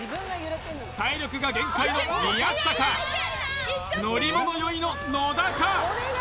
体力が限界の宮下か乗り物酔いの野田か